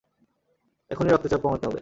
এখনই রক্তচাপ কমাতে হবে।